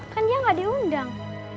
kan dia gak diundang